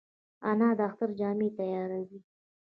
انا د اختر جامې تیاروي